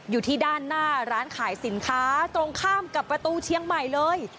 อยู่ที่ด้านหน้าร้านขายสินค้าตรงข้ามกับประตูเชียงใหม่เลย